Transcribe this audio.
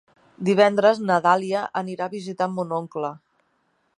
Divendres na Dàlia anirà a visitar mon oncle.